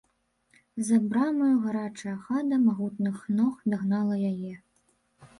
За брамаю гарачая хада магутных ног дагнала яе.